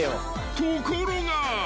［ところが］